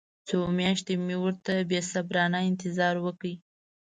څو میاشتې مې ورته بې صبرانه انتظار وکړ.